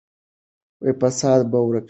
فساد به ورک شي.